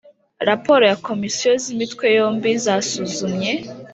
raporo ya Komisiyo z Imitwe yombi zasuzumye